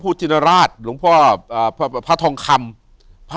อยู่ที่แม่ศรีวิรัยิลครับ